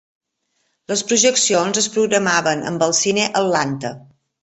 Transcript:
Les projeccions es programaven amb el Cine Atlanta.